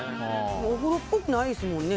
お風呂っぽくないですもんね